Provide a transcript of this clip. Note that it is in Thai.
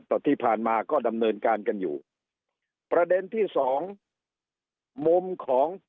แต่ที่ผ่านมาก็ดำเนินการกันอยู่ประเด็นที่สองมุมของ